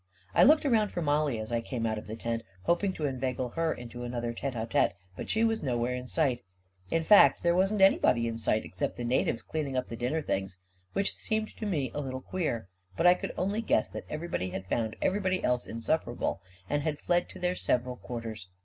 I looked around for Mollie, as I came out of the tent, hoping to inveigle her into another tete a tete ; but she was nowhere in sight In fact, there wasn't anybody in sight, except the natives cleaning up the dinner things; which seemed to me a little queer; but I could only guess that everybody had found everybody else insupportable, and had fled to their several quarters.